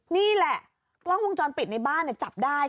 นี่แหละกล้องวงจรปิดในบ้านจับได้